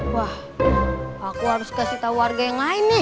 wah aku harus kasih tahu warga yang lain nih